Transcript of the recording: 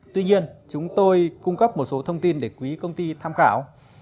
tuy nhiên chúng tôi cung cấp một số thông tin để quý công ty tham khảo